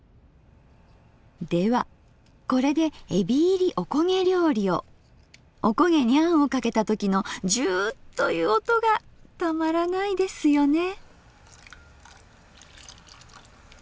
ではこれでおこげにあんをかけた時のジュウという音がたまらないですよね。